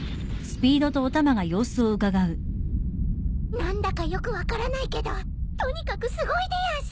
何だかよく分からないけどとにかくすごいでやんす。